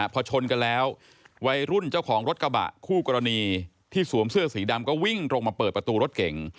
พอชนกันแล้ววัยรุ่นเจ้าของรถกระบะคู่กรณีที่สวมเสื้อสีดำก็วิ่งตรงมาเปิดประตูรถเก๋ง